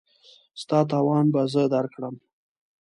ستا تاوان به زه درکړم.